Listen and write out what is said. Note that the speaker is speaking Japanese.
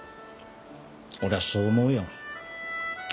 俺はそう思うよ。